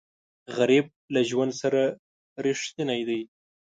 غریب له ژوند سره رښتینی دی